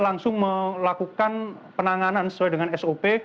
langsung melakukan penanganan sesuai dengan sop